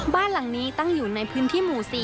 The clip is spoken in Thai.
บ้านหลังนี้ตั้งอยู่ในพื้นที่หมู่๔